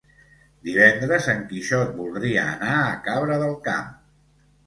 Divendres en Quixot voldria anar a Cabra del Camp.